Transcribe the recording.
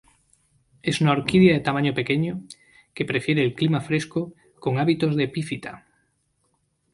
Es una orquídea de tamaño pequeño, que prefiere el clima fresco, con hábitos de epífita.